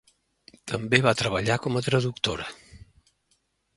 També va treballar com a traductora.